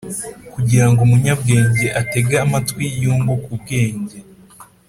kugira ngo umunyabwenge atege amatwi yunguke ubwenge,